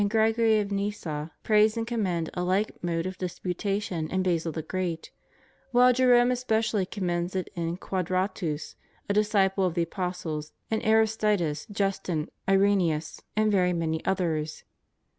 Gregory of Nyssa * praise and commend a like mode of disputation in Basil the Great; while Jerome especially commends it in Quadratus, a disciple of the apostles, in Aristides, Justin, Irenseus, and very many others.'